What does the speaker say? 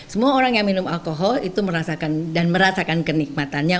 semua orang yang minum alkohol itu merasakan dan merasakan kenikmatannya